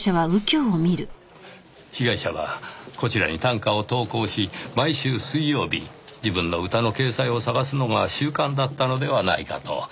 被害者はこちらに短歌を投稿し毎週水曜日自分の歌の掲載を探すのが習慣だったのではないかと。